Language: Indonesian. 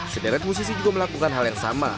sederet musisi juga melakukan hal yang sama